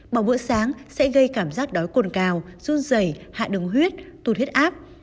bỏ bữa sáng sẽ gây cảm giác đói cồn cào run dày hạ đứng huyết tụt huyết áp